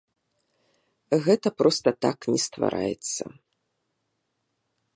Гэта проста так не ствараецца.